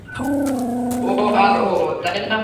ও আর ও, তাই না?